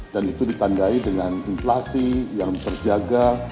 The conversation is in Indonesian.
dan itu ditandai dengan inflasi yang berjaga